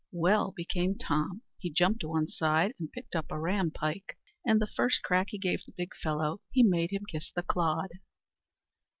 Well become Tom, he jumped a one side, and picked up a ram pike; and the first crack he gave the big fellow, he made him kiss the clod.